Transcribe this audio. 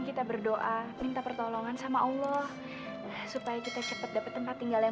karena pak seno sudah mewariskan ke aini